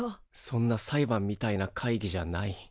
そんな裁判みたいな会議じゃない。